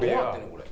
これ。